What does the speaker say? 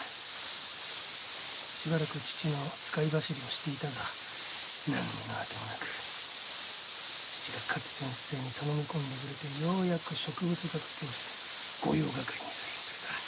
しばらく父の使い走りをしていたが何の当てもなく父が勝先生に頼み込んでくれてようやく植物学教室の御用掛に採用された。